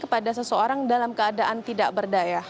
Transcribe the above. kepada seseorang dalam keadaan tidak berdaya